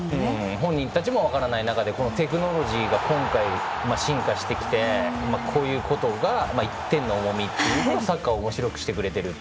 本人たちも分からない中でテクノロジーが今回、進化してきてこういうことでの１点の重みがサッカーをおもしろくしていると。